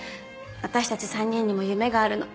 私たち３人にも夢があるの。